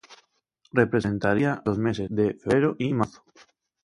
Representaría los meses de febrero y marzo.